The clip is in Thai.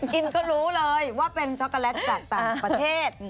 กินก็รู้เลยว่าเป็นช็อกโกแลตจากต่างประเทศ